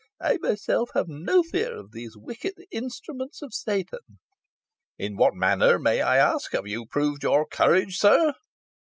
I myself have no fear of these wicked instruments of Satan." "In what manner, may I ask, have you proved your courage, sir?"